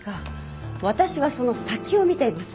私はその先を見ています。